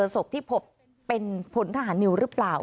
ศพที่พบเป็นพลทหารนิวหรือเปล่า